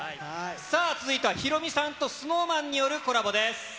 さあ、続いてはヒロミさんとＳｎｏｗＭａｎによるコラボです。